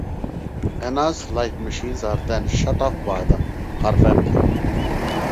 Anna's life-machines are then shut off by her family.